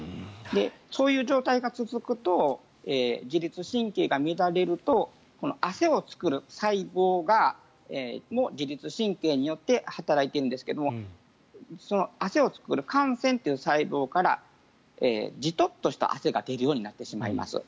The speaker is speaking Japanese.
そういう状態が続くと自律神経が乱れると汗を作る細胞も自律神経によって働いているんですけども汗を作る汗腺という細胞からジトッとした汗が出るようになってしまいます。